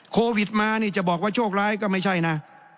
โควิดมานี่จะบอกว่าโชคร้ายก็ไม่ใช่นะ